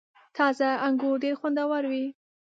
• تازه انګور ډېر خوندور وي.